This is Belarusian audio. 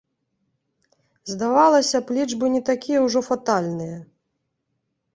Здавалася б, лічбы не такія ўжо фатальныя.